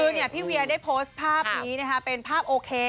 คือพี่เวียได้โพสต์ภาพนี้นะคะเป็นภาพโอเค